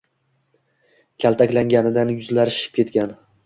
Kaltaklanganidan yuzlari shishib ketgan.